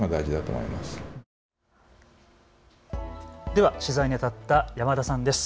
では取材にあたった山田さんです。